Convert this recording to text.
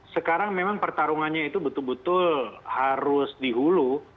sekarang memang pertarungannya itu betul betul harus dihulu